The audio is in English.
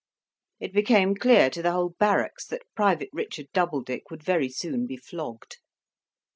It became clear to the whole barracks that Private Richard Doubledick would very soon be flogged.